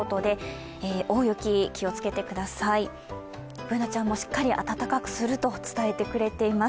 Ｂｏｏｎａちゃんもしっかり暖かくすると伝えてくれています。